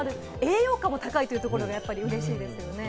栄養価も高いというところが嬉しいですね。